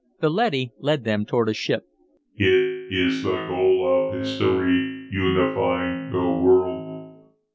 The leady led them toward the ship. "It is the goal of history, unifying the world.